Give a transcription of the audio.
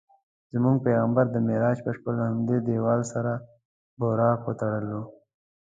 زموږ پیغمبر د معراج په شپه له همدې دیوال سره براق وتړلو.